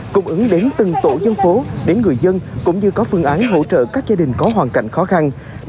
cung ứng đến từng tổ dân phố đến người dân cũng như có phương án hỗ trợ các gia đình có hoàn cảnh khó khăn